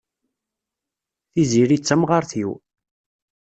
Tiziri d tamɣart-iw.